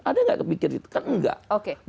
ada gak kepikiran itu kan enggak